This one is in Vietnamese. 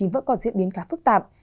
vẫn còn diễn biến khá phức tạp